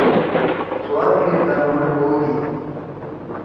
سوات می تنول بودی۔